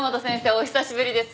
お久しぶりです。